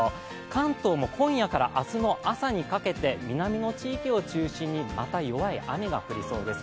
関東も今夜から明日の朝にかけて南の地域を中心に、また弱い雨が降りそうです。